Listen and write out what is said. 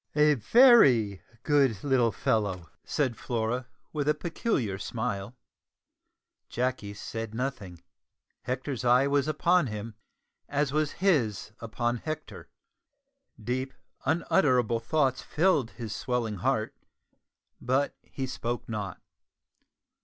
"A very good little fellow," said Flora, with a peculiar smile. Jacky said nothing. Hector's eye was upon him, as was his upon Hector. Deep unutterable thoughts filled his swelling heart, but he spoke not.